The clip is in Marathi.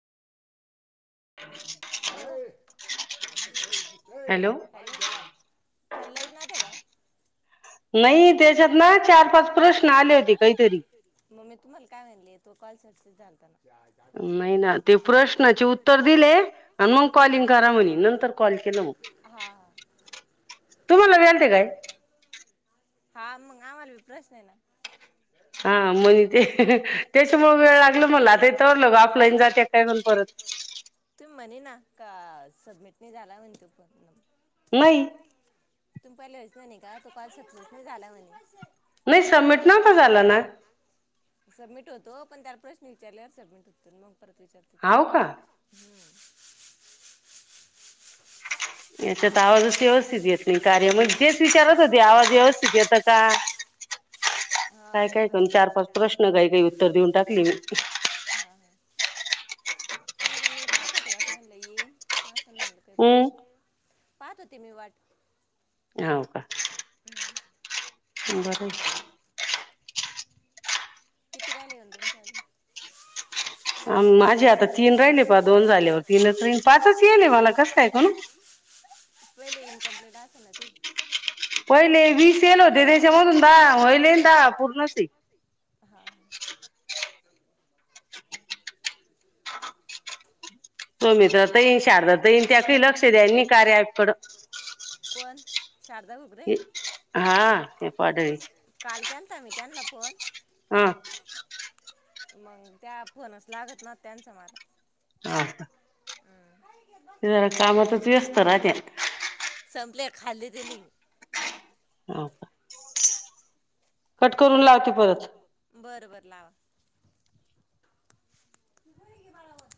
हॅलो नाही त्याच्यात ना चार पाच प्रश्न आले होते कायतरी म मी तुम्हाला काय म्हनले तो कॉल सर्सेस झालता नां प्रश्नाचे उत्तर दिले अन मग कॉलिंग करा म्हणले हा हा हा मग आम्हालाी प्रश्न आहे ना हा म्ह ते त्याच्यामुळ वेळ लागल मला आता तरवरलं ग अफलाईन जाते काय म्हण परत सबमिट नाही झाला म्हणतो नाही. तुमी पाहिलावयच नाही का तो काय पार्सल [unintelligible] झालं म्हेने व्हय सबमिट नव्हतं झालं ना. तो पण त्याला प्रश्न विचारलावर सबमिट होतं मंग परत तेच्यात हाव का हूं याच्यात आवाजच व्यवस्थित येत नाही कार्य मध्ये तेच विचारत होते आवाज व्यवस्थित येतो का? हा एका दुसऱ्याची पण हा हा नाही मग मी पाहत होते वाटत म्हणलं येईन हा सर म्हणायला काय प्राब्लेम [unintelligible] पाहत होते मी वाट हाव का? बरं किती राहले तुमचं अजून माझे आता तीन राहिले प दोन झालेवर तीनच र पाचच येल मला कस काय कोणु पहिले वीस येल होते त्याच्यामधून दहा होईले अन दहा पूर्णसे हां हा सोमित्राताई शारदताई त्यातही लक्ष द्यायल नाही कार्य ॲप कड हा हे पढळी [inaudible] हा मंग त्या फोनच लागत ना त्यांचा मला [unintelligible] ते जरा कामातच व्यस्त राहत्यात. खाली दिली हो का? बरं बर लावा. [inaudible]